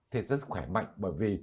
thì rất khỏe mạnh bởi vì